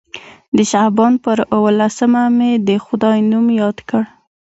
د شعبان پر اووه لسمه مې د خدای نوم یاد کړ.